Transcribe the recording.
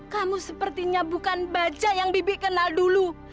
kamu sepertinya bukan baja yang bibi kenal dulu